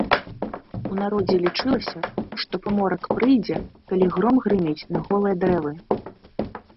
У народзе лічылася, што паморак прыйдзе, калі гром грыміць на голыя дрэвы.